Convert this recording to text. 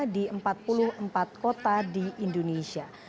di empat puluh empat kota di indonesia